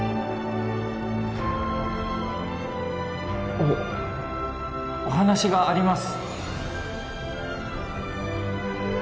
おお話があります